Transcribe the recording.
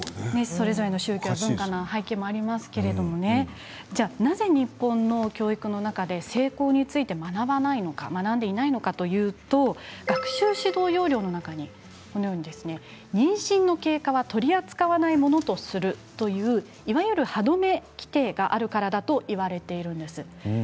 それぞれの宗教の背景とかありますけれどもなぜ日本では性交について学校で学んでいないのか学習指導要領の中に妊娠の経過は取り扱わないものとするといういわゆる歯止め規定があるからだと言われているんです。